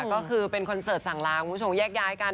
ก็คือเป็นคอนเสิร์ตสั่งลางคุณผู้ชมแยกย้ายกัน